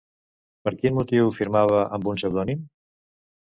Per quin motiu firmava amb un pseudònim?